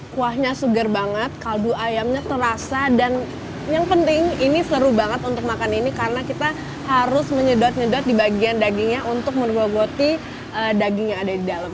kuahnya suger banget kaldu ayamnya terasa dan yang penting ini seru banget untuk makan ini karena kita harus menyedot nyedot di bagian dagingnya untuk mendogoti daging yang ada di dalam